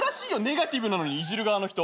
ネガティブなのにいじる側の人。